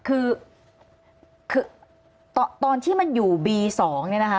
คือคือตอนที่มันอยู่บี๒เนี่ยนะคะ